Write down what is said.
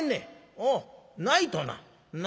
「おうないとな。